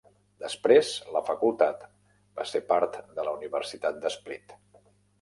Després la facultat va ser part de la Universitat de Split.